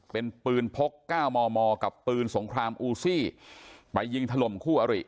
เป็นปืนพกเก้ามอมอกับปืนสงครามอูซี่ไปยิงถล่มคู่อริ